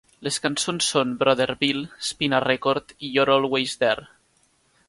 Les cançons són "Brother Bill", "Spin a Record" i "You're Always There".